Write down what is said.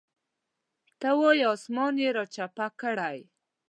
ته وایې اسمان یې راچپه کړی.